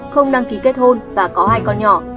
không đăng ký kết hôn và có hai con nhỏ